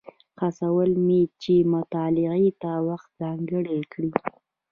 هڅول مې چې مطالعې ته وخت ځانګړی کړي.